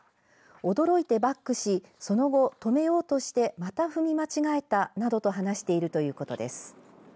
驚いてバックしその後、止めようとしてまた踏み間違えたなどと話しているということです。